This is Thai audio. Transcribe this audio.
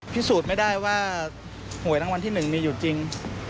พิสูจน์ไม่ได้ว่าหวยรางวัลที่๑มีอยู่จริง